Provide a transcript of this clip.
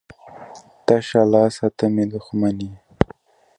ـ تشه لاسه ته مې دښمن یې.